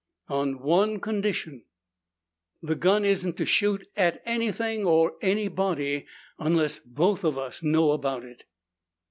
"On one condition. The gun isn't shot at anything, or anybody, unless both of us know about it."